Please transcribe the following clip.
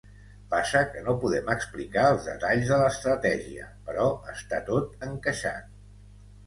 Passa que no podem explicar els detalls de l’estratègia, però està tot encaixat.